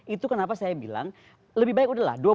itu kenapa saya bilang lebih baik udahlah